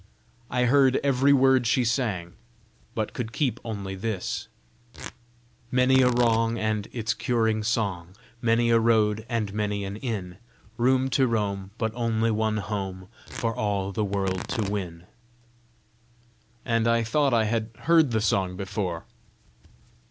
I heard every word she sang, but could keep only this: "Many a wrong, and its curing song; Many a road, and many an inn; Room to roam, but only one home For all the world to win!" and I thought I had heard the song before.